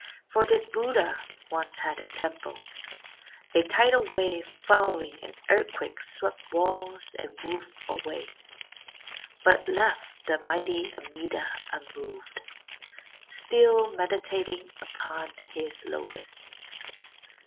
" For this Buddha once had a temple. A tidal wave follow ing an earthquake swept walls and roof away, but left the mighty Amida unmoved, still meditating upon his lotus."